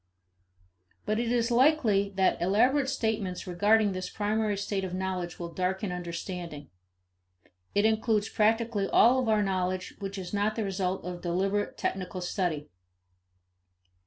II. But it is likely that elaborate statements regarding this primary stage of knowledge will darken understanding. It includes practically all of our knowledge which is not the result of deliberate technical study.